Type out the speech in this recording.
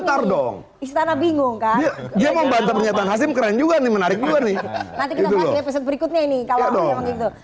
youtube nya ada snack